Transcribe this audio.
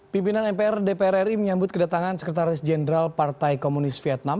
pimpinan mpr dpr ri menyambut kedatangan sekretaris jenderal partai komunis vietnam